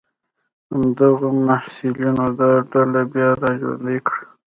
همدغو محصلینو دا ډله بیا را ژوندۍ کړه.